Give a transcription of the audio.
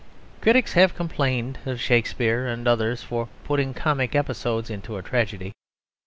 Critics have complained of Shakespeare and others for putting comic episodes into a tragedy.